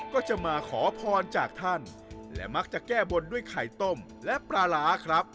ก็จะมาขอพรจากท่านและมักจะแก้บนด้วยไข่ต้มและปลาร้าครับ